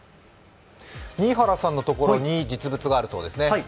新原さんのところに実物があるそうですね。